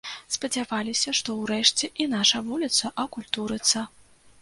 Спадзяваліся, што ўрэшце і наша вуліца акультурыцца.